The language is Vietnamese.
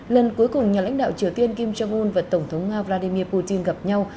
lần cuối cùng nhà lãnh đạo triều tiên kim jong un và tổng thống nga vladimir putin gặp nhau